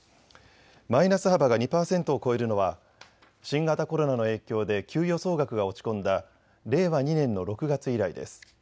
マイナス幅が２％を超えるのは新型コロナの影響で給与総額が落ち込んだ令和２年の６月以来です。